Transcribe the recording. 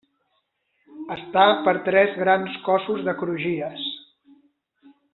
Està per tres grans cossos de crugies.